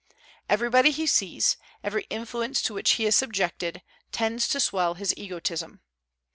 Everybody he sees, every influence to which he is subjected, tends to swell his egotism.